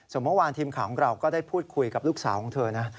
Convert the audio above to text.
ส่วนเมื่อวานทีมข่าวของเราก็ได้พูดคุยกับลูกสาวของเธอนะ